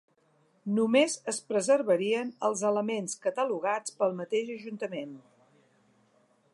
Només es preservarien els elements catalogats pel mateix ajuntament.